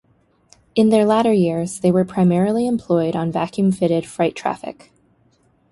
In their latter years they were primarily employed on vacuum-fitted freight traffic.